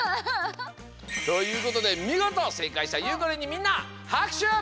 ということでみごとせいかいしたゆうこりんにみんなはくしゅ！